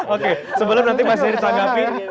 oke sebelum nanti masih ditanggapi